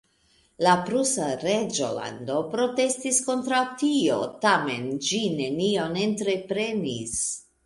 La prusa reĝolando protestis kontraŭ tio, tamen ĝi nenion entreprenis.